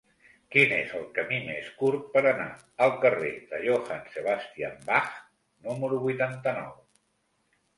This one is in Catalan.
Quin és el camí més curt per anar al carrer de Johann Sebastian Bach número vuitanta-nou?